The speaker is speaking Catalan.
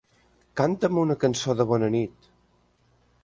Canta'm una cançó de bona nit.